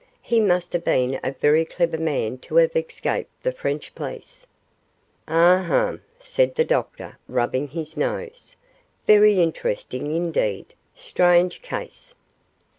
He must have been a very clever man to have escaped the French police.' 'Ah, hum!' said the doctor, rubbing his nose, 'very interesting indeed; strange case!